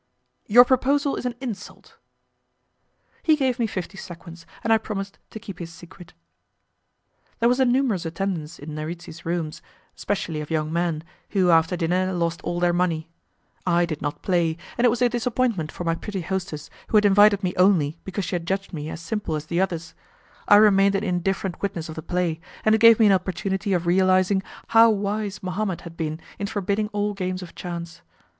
"Your proposal is an insult." He gave me fifty sequins, and I promised to keep his secret. There was a numerous attendance in Narici's rooms, especially of young men, who after dinner lost all their money. I did not play, and it was a disappointment for my pretty hostess, who had invited me only because she had judged me as simple as the others. I remained an indifferent witness of the play, and it gave me an opportunity of realizing how wise Mahomet had been in forbidding all games of chance.